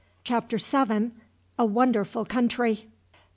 Chapter 7: A Wonderful Country.